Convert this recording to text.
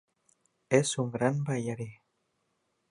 És un gran ballarí.